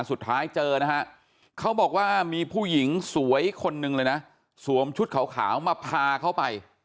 สุดท้ายเจอนะฮะเขาบอกว่ามีผู้หญิงสวยคนหนึ่งเลยนะสวมชุดขาวมาพาเขาไป